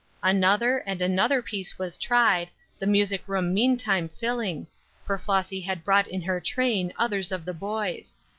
Another, and another piece was tried, the music room meantime filling; for Flossy had brought in her train others of the boys.